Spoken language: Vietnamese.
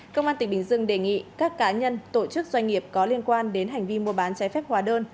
công an tỉnh bình dương đề nghị các cá nhân tổ chức doanh nghiệp có liên quan đến hành vi mua bán trái phép hóa đơn